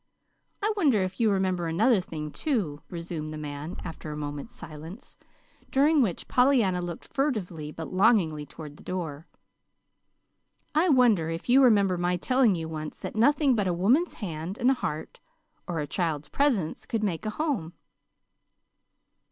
I wonder if you remember another thing, too," resumed the man, after a moment's silence, during which Pollyanna looked furtively, but longingly toward the door. "I wonder if you remember my telling you once that nothing but a woman's hand and heart, or a child's presence could make a home."